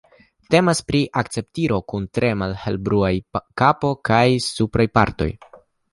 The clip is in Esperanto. Temas pri akcipitro kun tre malhelbrunaj kapo kaj supraj partoj.